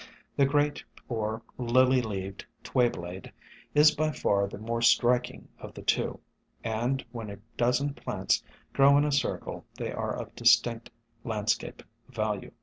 The Great or Lily leaved Tway blade is by far the more striking of the two, and when a dozen plants grow in a circle they are of distinct landscape value.